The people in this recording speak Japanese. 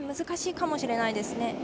難しいかもしれないですね。